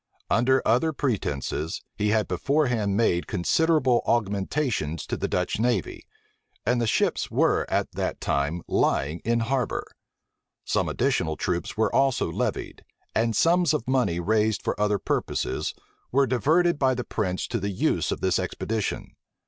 Under other pretences he had beforehand made considerable augmentations to the Dutch navy; and the ships were at that time lying in harbor. Some additional troops were also levied; and sums of money raised for other purposes, were diverted by the prince to the use of this expedition.